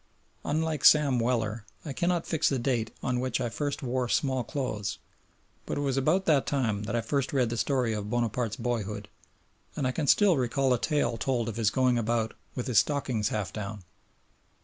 Unlike Sam Weller, I cannot fix the date on which I first wore small clothes, but it was about that time that I first read the story of Bonaparte's boyhood, and I can still recall a tale told of his going about "with his stockings half down."